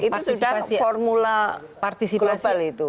itu sudah formula partisipasial itu